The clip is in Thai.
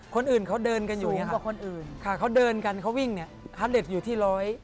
คนอื่นเขาเดินกันอยู่อย่างนี้ค่ะค่ะเขาเดินกันเขาวิ่งเนี่ยฮัตเล็ตอยู่ที่๑๖๐๑๕๐